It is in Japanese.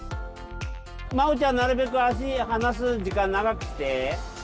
まおちゃんなるべく足離す時間長くして。